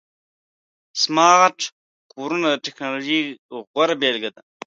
سمارټ کورونه د ټکنالوژۍ غوره بيلګه ده.